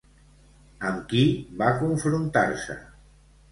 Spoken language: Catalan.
Amb qui va confrontar-se?